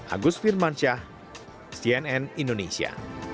agus firman syah cnn indonesia